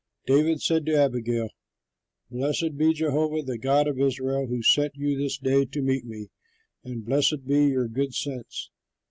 David said to Abigail, "Blessed be Jehovah the God of Israel, who sent you this day to meet me, and blessed be your good sense.